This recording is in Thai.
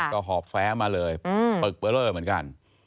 ก็หอบแฟ้มาเลยปรึกประโยชน์เลยเหมือนกัน